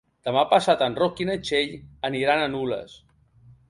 Demà passat en Roc i na Txell aniran a Nules.